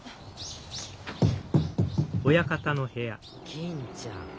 銀ちゃん